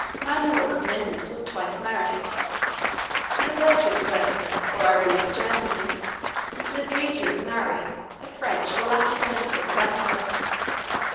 Manuel Comnenus was twice married, to the virtuous Bertha or Irene of Germany, and to the beauteous Maria, a French or Latin princess of Antioch.